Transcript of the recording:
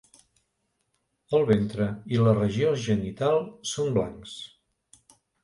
El ventre i la regió genital són blancs.